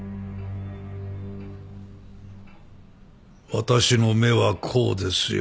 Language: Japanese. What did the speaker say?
私の目はこうですよ。